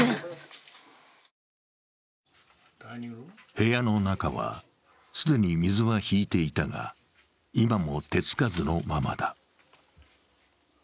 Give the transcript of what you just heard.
部屋の中は、既に水は引いていたが、今も手つかずのままだ。